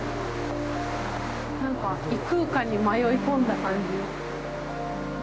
なんか、異空間に迷い込んだ感じ。